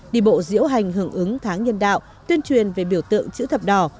đi bộ diễu hành hưởng ứng tháng nhân đạo tuyên truyền về biểu tượng chữ thập đỏ